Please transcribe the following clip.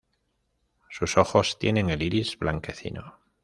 Sus ojos tienen el iris blanquecino.